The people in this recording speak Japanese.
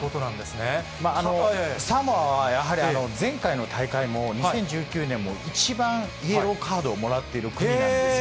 ただ、サモアはやはり前回の大会も、２０１９年も一番イエローカードをもらっている国なんですよ。